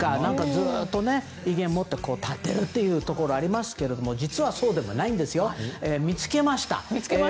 ずっと威厳を持って立っているところがありますが実は、そうでもないんですよ見つけました。